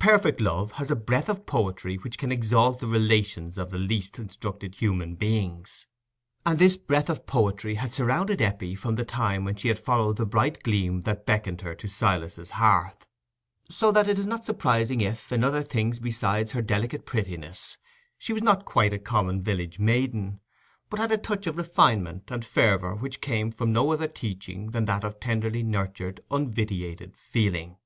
Perfect love has a breath of poetry which can exalt the relations of the least instructed human beings; and this breath of poetry had surrounded Eppie from the time when she had followed the bright gleam that beckoned her to Silas's hearth; so that it is not surprising if, in other things besides her delicate prettiness, she was not quite a common village maiden, but had a touch of refinement and fervour which came from no other teaching than that of tenderly nurtured unvitiated feeling.